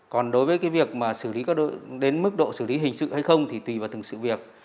còn đối với cái việc mà xử lý đến mức độ xử lý hình sự hay không thì tùy vào từng sự việc